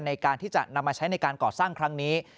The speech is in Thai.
ในการที่จะนำมาใช้ในการก่อสร้างครั้งนี้